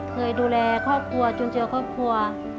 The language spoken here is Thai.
เคยดูแลครอบครัวจุนเจือครอบครัว